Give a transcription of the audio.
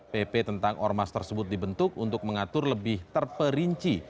pp tentang ormas tersebut dibentuk untuk mengatur lebih terperinci